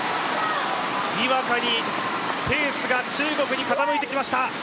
にわかにペースが中国に傾いてきました。